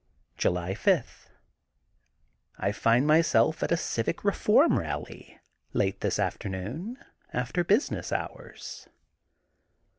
July 5: — ^I find myself at a civic reform rally late this afternoon, after business hours.